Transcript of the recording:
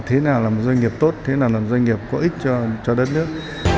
thế nào là một doanh nghiệp tốt thế nào là doanh nghiệp có ích cho đất nước